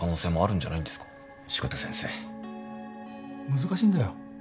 難しいんだよ。